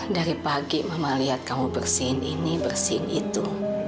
dari pagi mama lihat kamu bersihin ini bersihin itu